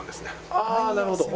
ああなるほど！